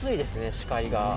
視界が。